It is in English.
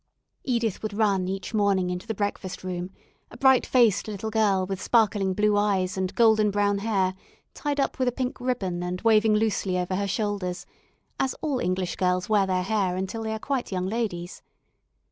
Edith would run each morning into the breakfast room, a bright faced little girl with sparkling blue eyes and golden brown hair tied up with a pink ribbon and waving loosely over her shoulders as all English girls wear their hair until they are quite young ladies.